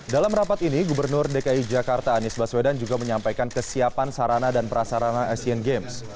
dalam rapat ini gubernur dki jakarta anies baswedan juga menyampaikan kesiapan sarana dan prasarana asian games